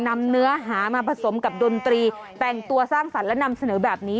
เนื้อหามาผสมกับดนตรีแต่งตัวสร้างสรรค์และนำเสนอแบบนี้